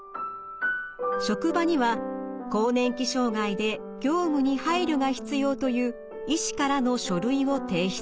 職場には更年期障害で業務に配慮が必要という医師からの書類を提出。